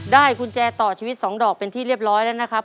กุญแจต่อชีวิต๒ดอกเป็นที่เรียบร้อยแล้วนะครับ